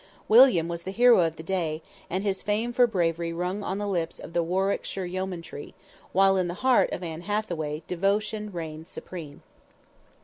William was the hero of the day, and his fame for bravery rung on the lips of the Warwickshire yeomanry, while in the heart of Anne Hathaway devotion reigned supreme.